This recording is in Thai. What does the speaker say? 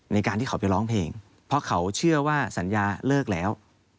ในการที่เขาไปร้องเพลงเพราะเขาเชื่อว่าสัญญาเลิกแล้ว